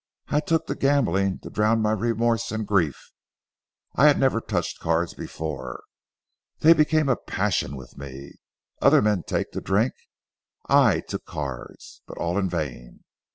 I took to gambling to drown my remorse and grief. I had never touched cards before. They became a passion with me. Other men take to drink, I to cards. But all in vain.